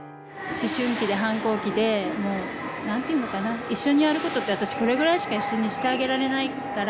思春期で反抗期でもう何て言うのかな一緒にやることって私これぐらいしか一緒にしてあげられないから。